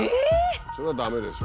それは駄目でしょ。